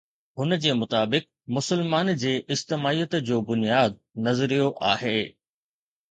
هن جي مطابق، مسلمان جي اجتماعيت جو بنياد نظريو آهي.